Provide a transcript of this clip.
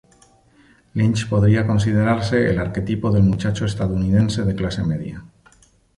Lynch podría considerarse el arquetipo del muchacho estadounidense de clase media.